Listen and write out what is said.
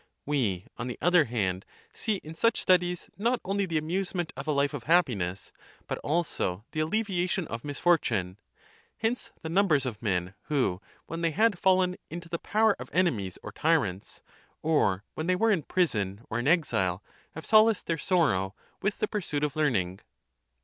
We on the other hand see in such studies not only the amuse ment of a life of happiness, but also the alleviation of niisfortune; hence the numbers of men who when they had fallen into the power of enemies or tyrants, or when they were in prison or in exi]e,have solaced their + sorrow with the pursuit of learning.